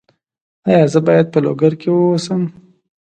ایا زه باید په لوګر کې اوسم؟